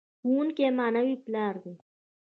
ښوونکی معنوي پلار دی.